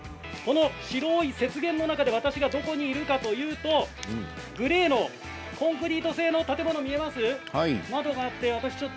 白い雪原の中で私がどこにいるかといいますとグレーのコンクリート製の建物が見えますか。